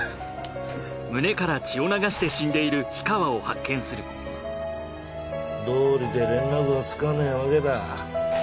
胸から血を流して死んでいる氷川を発見するどうりで連絡がつかねえわけだ。